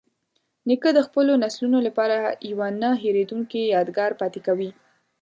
نیکه د خپلو نسلونو لپاره یوه نه هیریدونکې یادګار پاتې کوي.